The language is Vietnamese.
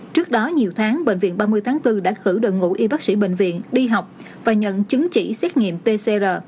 trước đó nhiều tháng bệnh viện ba mươi tháng bốn đã khử đội ngũ y bác sĩ bệnh viện đi học và nhận chứng chỉ xét nghiệm pcr